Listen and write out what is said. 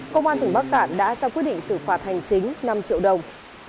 công an tỉnh bắc cạn đã ra quyết định xử phạt hành chính năm triệu đồng